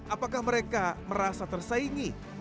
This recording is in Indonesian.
apakah mereka merasa tersaingi